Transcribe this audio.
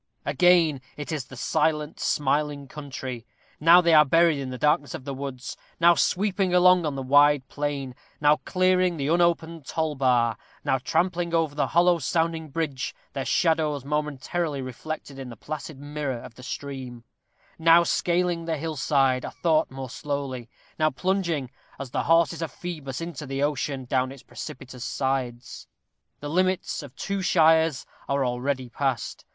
Again it is the silent, smiling country. Now they are buried in the darkness of woods; now sweeping along on the wide plain; now clearing the unopened toll bar; now trampling over the hollow sounding bridge, their shadows momently reflected in the placid mirror of the stream; now scaling the hill side a thought more slowly; now plunging, as the horses of Phœbus into the ocean, down its precipitous sides. The limits of two shires are already past.